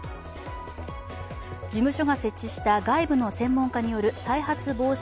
事務所が設置した外部の専門家による再発防止